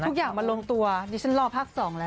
ทุกอย่างมันลงตัวดิฉันรอภาค๒แล้ว